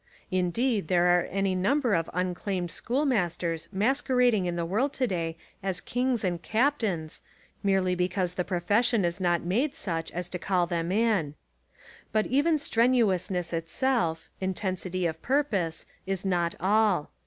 Indeed, there are any number of unclaimed schoolmasters masquerading in the world to day as kings and captains merely be cause the profession is not made such as to call them in. But even strenuousness itself, in tensity of purpose, is not all.